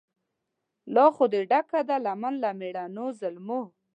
لا خو دي ډکه ده لمن له مېړنو زامنو